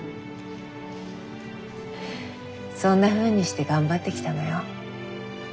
そんなふうにして頑張ってきたのよ。